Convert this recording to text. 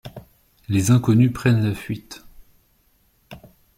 Les inconnus prennent la fuite.